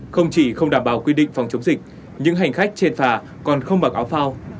không chỉ không đảm bảo quy định phòng chống dịch những hành khách trên phà còn không mặc áo phao